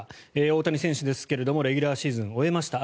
大谷選手ですがレギュラーシーズン終えました。